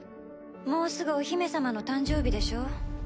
もうすぐお姫様の誕生日でしょ。